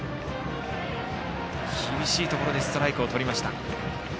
厳しいところでストライクをとりました。